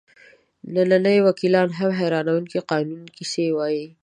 ننني وکیلان هم حیرانوونکې قانوني کیسې وایي.